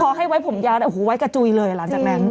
พอให้ไว้ผมยาวโอ้โหไว้กระจุยเลยหลังจากนั้น